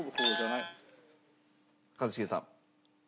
一茂さん。